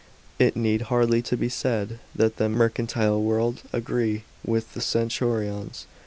"^ It need hardly be said that the mercantile world agr«e<l with the centurions.